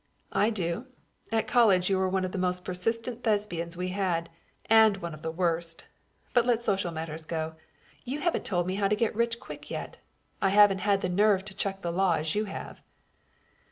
"I do. At college you were one of the most persistent Thespians we had, and one of the worst. But let social matters go. You haven't told me how to get rich quick yet. I haven't had the nerve to chuck the law as you have."